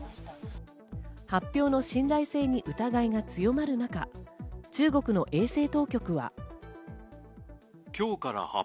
発表の信頼性に疑いが強まる中、中国の衛生当局は。